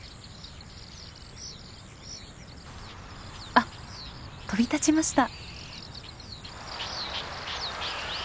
あっ飛び立ちました。